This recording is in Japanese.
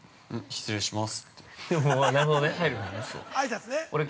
失礼します。